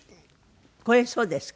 これそうですか？